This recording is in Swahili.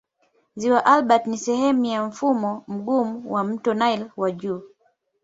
Ziwa Albert ni sehemu ya mfumo mgumu wa mto Nile wa juu.